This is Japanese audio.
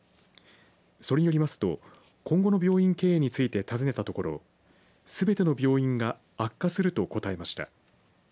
それによりますと今後の病院経営について尋ねたところ、すべての病院が悪化すると答えました。